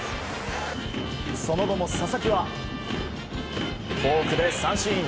その後も佐々木はフォークで三振。